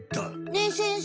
ねえ先生